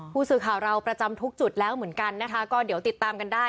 ผู้สื่อข่าวเราประจำทุกจุดแล้วเหมือนกันนะคะก็เดี๋ยวติดตามกันได้